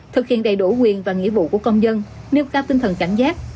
thực hiện đầy đủ quyền và nghĩa vụ của công dân nêu cao tinh thần cảnh giác